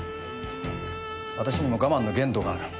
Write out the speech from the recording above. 私にも我慢の限度がある。